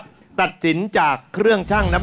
กลับเข้าสู่รายการออบาตอร์มาหาสนุกกันอีกครั้งครับ